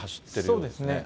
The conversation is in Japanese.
そうですね。